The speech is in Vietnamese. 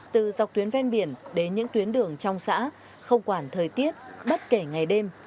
từ dọc tuyến ven biển đến những tuyến đường trong xã không quản thời tiết bất kể ngày đêm